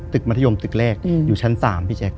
มัธยมตึกแรกอยู่ชั้น๓พี่แจ๊ค